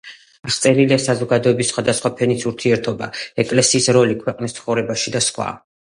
აღწერილია საზოგადოების სხვადასხვა ფენის ურთიერთობა, ეკლესიის როლი ქვეყნის ცხოვრებაში და სხვა.